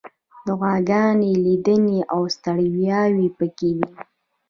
دعاګانې، لیدنې، او ستړیاوې پکې دي.